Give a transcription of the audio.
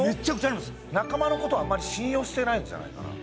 仲間の事あんまり信用してないんじゃないかな？